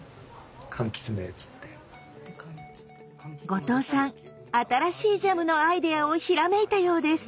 後藤さん新しいジャムのアイデアをひらめいたようです。